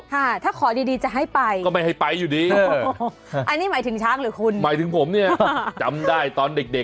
ค่ะถ้าขอดีจะให้ไปก็ไม่ให้ไปอยู่ดีอันนี้หมายถึงช้างหรือคุณหมายถึงผมเนี่ยจำได้ตอนเด็กเด็ก